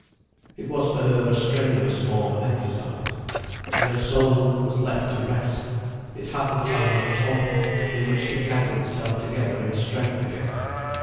It was for her a strenuous form of exercise. And her soul was left to rest, it had the time of torpor in which to gather itself together in strength again.